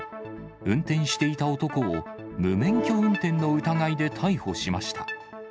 運転していた男を、無免許運転の疑いで逮捕しました。